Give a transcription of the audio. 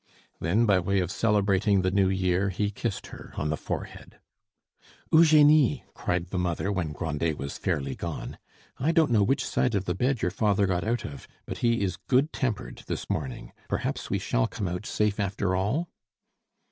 Then, by way of celebrating the new year, he kissed her on the forehead. "Eugenie," cried the mother, when Grandet was fairly gone, "I don't know which side of the bed your father got out of, but he is good tempered this morning. Perhaps we shall come out safe after all?"